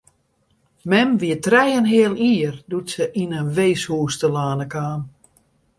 Mem wie trije en in heal jier doe't se yn in weeshûs telâne kaam.